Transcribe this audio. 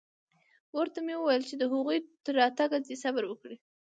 ورته مې وويل چې د هغوى تر راتگه دې صبر وکړي.